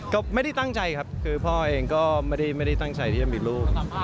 ก็ไม่ได้ตั้งใจครับคือพ่อเองก็ไม่ได้ตั้งใจที่จะมีลูก